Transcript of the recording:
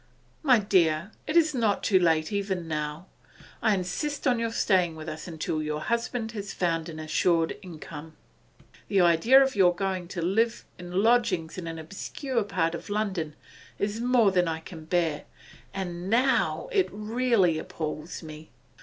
My dear, it is not too late even now. I insist on your staying with us until your husband has found an assured income. The idea of your going to live in lodgings in an obscure part of London is more than I can bear, and now it really appals me.